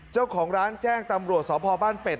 เจ้าของร้านแจ้งตำรวจสพบ้านเป็ด